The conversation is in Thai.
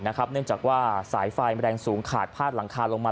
เนื่องจากว่าสายไฟแรงสูงขาดพาดหลังคาลงมา